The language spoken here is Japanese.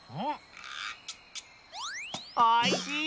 おいしい！